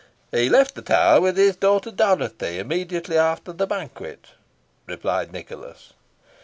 "He left the Tower with his daughter Dorothy, immediately after the banquet," replied Nicholas.